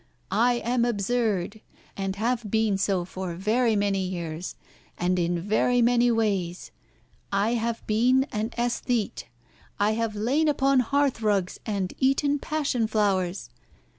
I am absurd, and have been so for very many years, and in very many ways. I have been an æsthete. I have lain upon hearth rugs and eaten passion flowers.